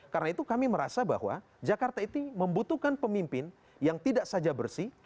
karena itu kami merasa bahwa jakarta itu membutuhkan pemimpin yang tidak saja bersih